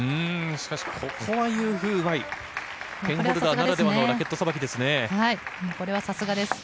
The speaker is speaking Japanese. しかしここはユー・フーはペンホルダーならではのラケットさばきですね。